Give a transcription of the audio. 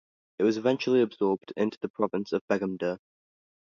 It was eventually absorbed into the province of Begemder.